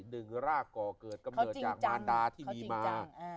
รากก่อเกิดกำเนิดจากมารดาที่มีมา